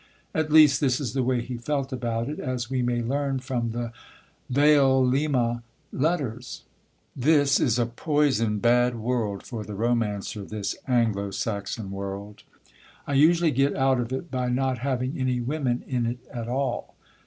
At least, this is the way he felt about it, as we may learn from the Vailima Letters: "This is a poison bad world for the romancer, this Anglo Saxon world; I usually get out of it by not having any women in it at all."